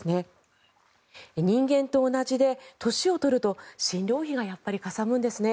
人間と同じで年を取ると診療費がやっぱりかさむんですね。